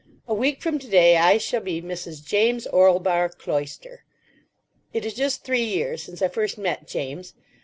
A week from today I shall be Mrs. James Orlebar Cloyster. It is just three years since I first met James.